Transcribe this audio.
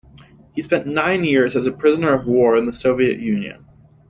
He spent nine years as a prisoner-of-war in the Soviet Union.